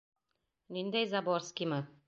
Ниндәй Заборскимы?